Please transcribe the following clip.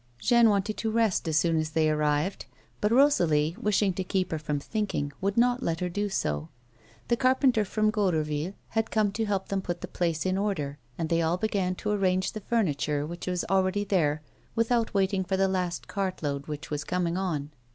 Jeanne wanted to rest as soon as they arrived, but Eosalie, wishing to keep her from thinking, would not let her do so. The carpenter from Goderville had come to help them put the place in order, and they all began to arrange the furniture which was alx'eady there without waiting for the last cart load which was coming on.